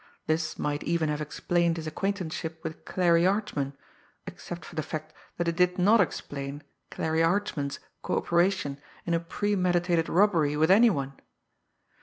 This might even have explained his acquaintanceship with Clarie Archman, except for the fact that it did not explain Clarie Archman's co operation in a premeditated robbery with any one!